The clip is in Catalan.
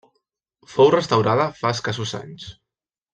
Fou restaurada fa escassos anys.